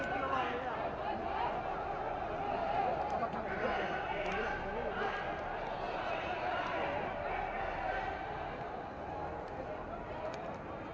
ขอบคุณครับ